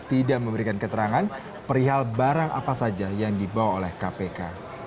tidak memberikan keterangan perihal barang apa saja yang dibawa oleh kpk